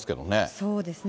そうですね。